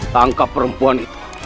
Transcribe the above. tangkap perempuan itu